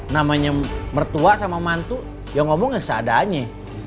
namanya mertua sama mantu yang ngomong gak sadanya